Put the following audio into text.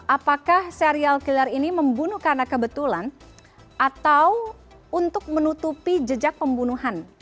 apakah serial killer ini membunuh karena kebetulan atau untuk menutupi jejak pembunuhan